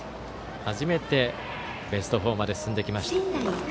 初めてベスト４まで進んできました。